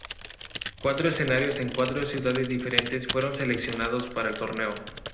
Cuatro escenarios en cuatro ciudades diferentes fueron seleccionados para el torneo.